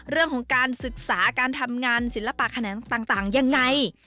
เรื่องของการศึกษาการทำงานศิลปะแขนงต่างยังไง